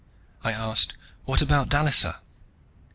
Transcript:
I asked, "What about Dallisa?"